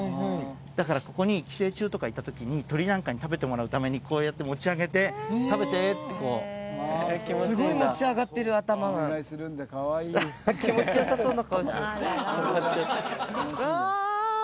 だからここに寄生虫とかいた時に鳥なんかに食べてもらうためにこうやって持ち上げて「食べて」ってこうすごい持ち上がってる頭がハハッ気持ちよさそうな顔してるバーン！